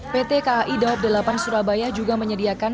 pt kai daerah operasi delapan surabaya juga menyediakan